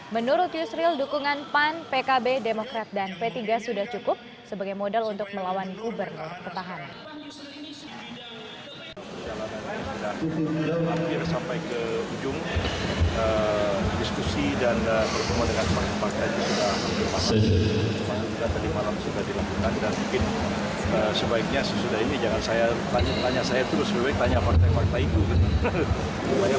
menurut yusril dukungan pan pkb demokrat dan p tiga sudah cukup sebagai modal untuk melawan gubernur petahana